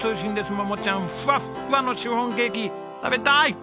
桃ちゃんふわっふわのシフォンケーキ食べたい！